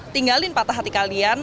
tinggalin patah hati kalian